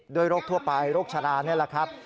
โรคทั่วไปโรคชะลานี่แหละครับ